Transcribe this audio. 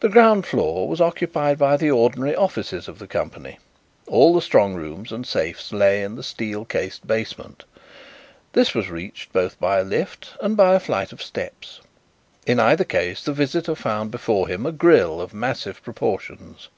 The ground floor was occupied by the ordinary offices of the company; all the strong rooms and safes lay in the steel cased basement. This was reached both by a lift and by a flight of steps. In either case the visitor found before him a grille of massive proportions.